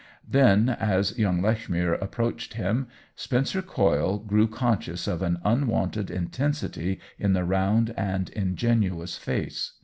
Then, as young Lechmere approached him, Spen cer Coyle grew conscious of an unwonted intensity in the round and ingenuous face.